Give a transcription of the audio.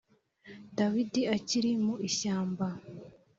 Dawidi akiri mu ishyamba